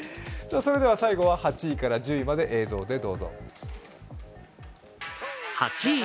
最後は８位から１０位まで映像でどうぞ。